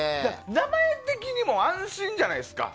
名前的にも安心じゃないですか。